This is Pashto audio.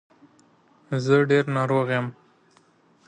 زه ډېر ناروغ یم.